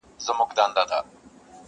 د عشق له فیضه دی بل چا ته یې حاجت نه وینم.